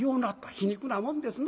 皮肉なもんですな。